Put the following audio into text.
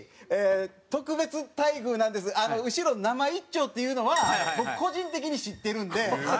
特別待遇なんですあの後ろ生いっちょうっていうのは僕個人的に知ってるんで。